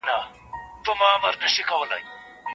منطقي تسلسل د هر لیکوال د کار ملا تړي.